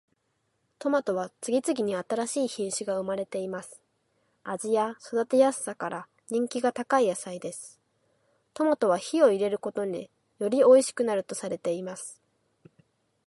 トマトは次々に新しい品種が生まれています。味や育てやすさから人気が高い野菜です。トマトは火を入れることでよりおいしくなるとされています。